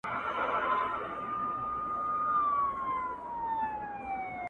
ما ویل دلته هم جنت سته فریښتو ویله ډېر دي,